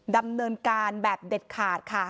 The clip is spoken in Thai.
ดำเนินการแบบเด็ดขาดค่ะ